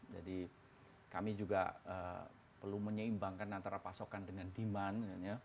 jadi kami juga perlu menyeimbangkan antara pasokan dengan demand